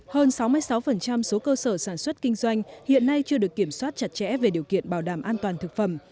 hơn sáu mươi sáu số cơ sở sản xuất kinh doanh hiện nay chưa được kiểm soát chặt chẽ về điều kiện bảo đảm an toàn thực phẩm